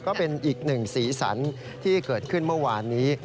ก็เป็นอีกหนึ่งสีสันที่เกิดขึ้นเมื่อวานนี้